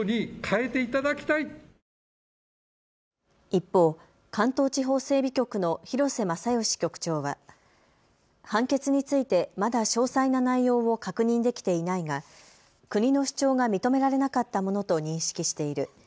一方、関東地方整備局の廣瀬昌由局長は判決についてまだ詳細な内容を確認できていないが国の主張が認められなかったものと認識している。